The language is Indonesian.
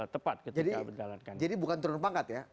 tepat ketika menjalankan jadi bukan turun pangkat ya